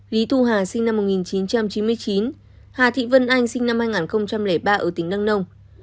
lý thu hà sinh năm một nghìn chín trăm chín mươi chín hà thị vân anh sinh năm hai nghìn ba ở tỉnh đăng nông